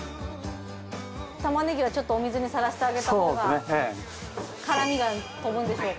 タマネギはちょっとお水にさらしてあげたほうが辛みが飛ぶんでしょうか。